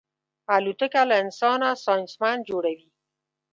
الوتکه له انسانه ساینسمن جوړوي.